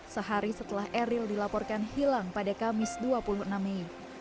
sehari setelah eril dilaporkan hilang pada kamis dua puluh enam mei